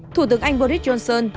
thủ tướng anh boris johnson